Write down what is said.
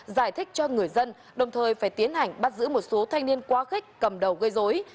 giải thích cho người dân đồng thời phải tiến hành bắt giữ một số thanh niên quá khích cầm đầu gây dối